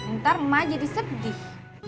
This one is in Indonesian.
ntar emak jadi sedih